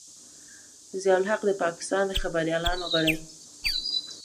ضیا الحق د پاکستان د خبریالانو غړی.